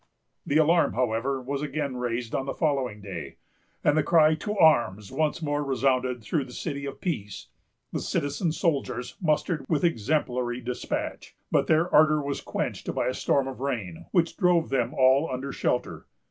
The alarm, however, was again raised on the following day; and the cry to arms once more resounded through the city of peace. The citizen soldiers mustered with exemplary despatch; but their ardor was quenched by a storm of rain, which drove them all under shelter.